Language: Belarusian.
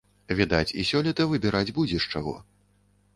Відаць, і сёлета выбіраць будзе з чаго.